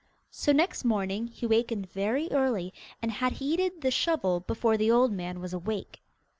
So next morning he wakened very early, and had heated the shovel before the old man was awake.